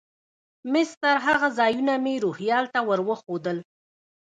مسطر هغه ځایونه مې روهیال ته ور وښوول.